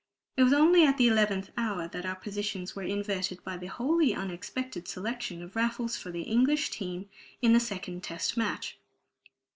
It was only at the eleventh hour that our positions were inverted by the wholly unexpected selection of Raffles for the English team in the Second Test Match.